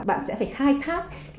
bạn sẽ phải khai thác